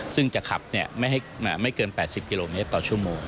ซึ่งจะขับไม่เกิน๘๐กิโลเมตรต่อชั่วโมง